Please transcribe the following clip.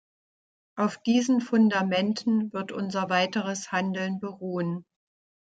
Auf diesen Fundamenten wird unser weiteres Handeln beruhen.